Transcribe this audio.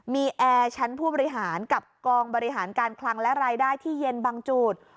มีแอร์ชั้นผู้บริหารกับกองบริหารการคลังและรายได้ที่เย็นบางจุด